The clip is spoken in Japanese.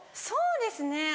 そうですね